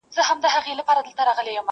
ښکاري و ویشتی هغه موږک یارانو.